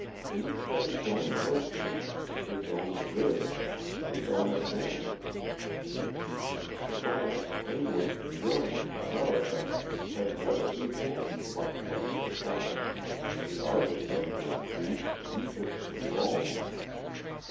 Each has its own virtues, its own "goods," its own advantages. France, England, Germany, America, have never equaled, much less surpassed, the architecture of Greece, Egypt, and Rome.